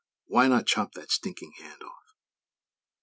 _Why not chop that stinking hand off?